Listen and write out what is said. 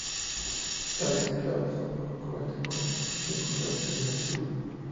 Tales clados son congruentes con la distribución geográfica de las tribus.